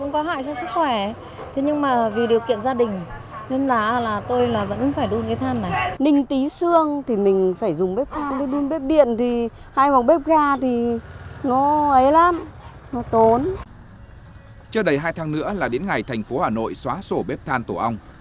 chưa đầy hai tháng nữa là đến ngày thành phố hà nội xóa sổ bếp than tổ ong